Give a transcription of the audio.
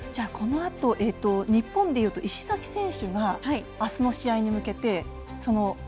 このあと日本でいうと石崎選手が、あすの試合に向けて。